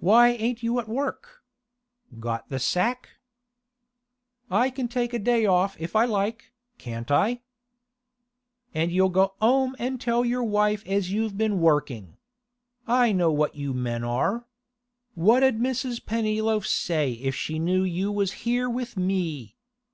'Why ain't you at work? Got the sack?' 'I can take a day off if I like, can't I?' 'And you'll go 'ome and tell your wife as you've been working. I know what you men are. What 'ud Mrs. Pennyloaf say if she knew you was here with me?